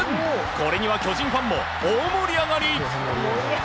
これには巨人ファンも大盛り上がり！